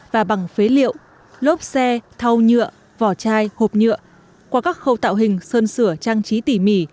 và bằng phế liệu lốp xe thau nhựa vỏ chai hộp nhựa qua các khâu tạo hình sơn sửa trang trí tỉ mỉ